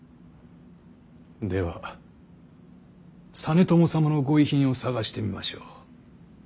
では実朝様のご遺品を探してみましょう。